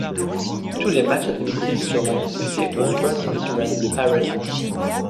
Tous les matchs à domicile seront disputés au Cross Insurance Arena.